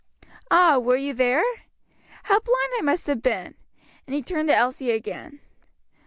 "Ah, were you there? How blind I must have been!" and he turned to Elsie again.